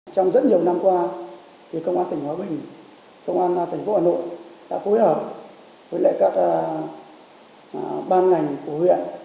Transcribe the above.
trong rất nhiều năm qua công an tỉnh hóa bình công an tỉnh phúc hà nội đã phối hợp với các ban ngành của huyện